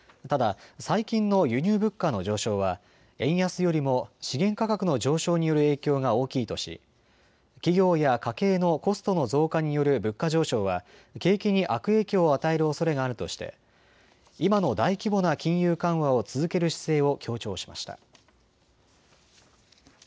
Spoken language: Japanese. ただ最近の輸入物価の上昇は円安よりも資源価格の上昇による影響が大きいとし企業や家計のコストの増加による物価上昇は景気に悪影響を与えるおそれがあるとして今の大規模な金融緩和を続ける姿勢を強調しました。